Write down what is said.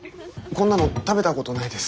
こんなの食べたことないです。